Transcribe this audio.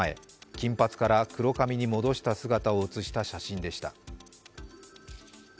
金髪から黒髪に戻した姿を写した写真でした。